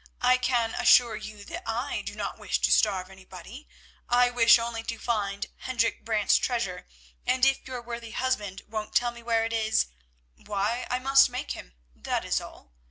I can assure you that I do not wish to starve anybody; I wish only to find Hendrik Brant's treasure, and if your worthy husband won't tell me where it is, why I must make him, that is all.